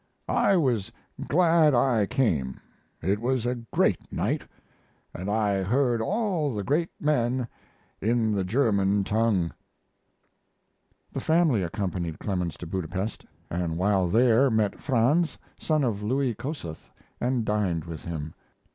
I was glad I came, it was a great night, & I heard all the great men in the German tongue. The family accompanied Clemens to Budapest, and while there met Franz, son of Louis Kossuth, and dined with him.